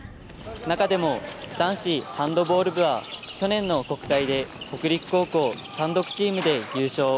中でも、男子ハンドボール部は去年の国体で北陸高校単独チームで優勝。